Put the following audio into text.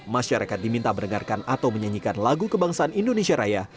masyarakat diminta mendengarkan atau menyanyikan lagu kebangsaan indonesia raya